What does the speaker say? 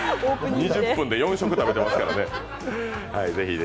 ２０分で４食、食べてますからね。